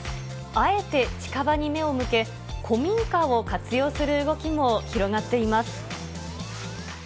あえて近場に目を向け、古民家を活用する動きも広がっています。